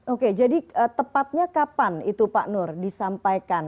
oke jadi tepatnya kapan itu pak nur disampaikan